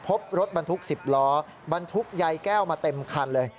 พบรถบรรทุก๑๐ล้อบรรทุกใยแก้วมาเต็มคันเลย